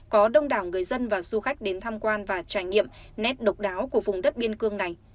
có đông đảo người dân và du khách đến tham quan và trải nghiệm nét độc đáo của vùng đất biên cương này